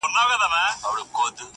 ما ځولۍ راوړې وه او تا سر خوځولے وۀ